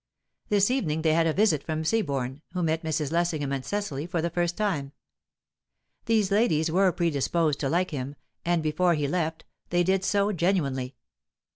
This evening they had a visit from Seaborne, who met Mrs. Lessingham and Cecily for the first time. These ladies were predisposed to like him, and before he left they did so genuinely.